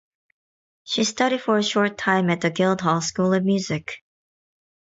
She studied for a short time at the Guildhall School of Music.